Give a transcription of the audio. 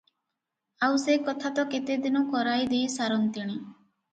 ଆଉ ସେ କଥା ତ କେତେଦିନୁ କରାଇ ଦେଇ ସାରନ୍ତିଣି ।